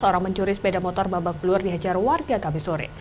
seorang pencuri sepeda motor babak beluar dihajar warga kami sore